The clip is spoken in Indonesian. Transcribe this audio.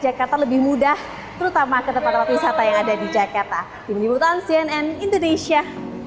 jakarta lebih mudah terutama ke tempat tempat wisata yang ada di jakarta tim liputan cnn indonesia